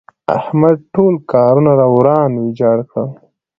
احمد ټول کارونه وران ويجاړ کړل.